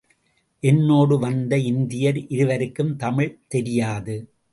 என்னோடு வந்த இந்தியர் இருவருக்கும் தமிழ் தெரியாது.